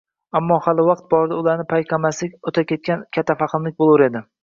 Ammo hali vaqt borida ularni payqamaslik o‘taketgan kaltafahmlik bo‘lur edi